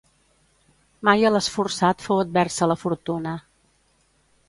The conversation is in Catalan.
Mai a l'esforçat fou adversa la fortuna.